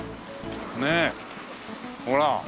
ねえほら。